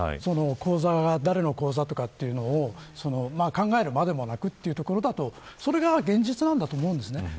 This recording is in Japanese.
そんなに厳密に誰の口座とかというのを考えるまでもなくというところだとそれが現実なんだと思います。